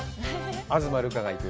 「東留伽が行く！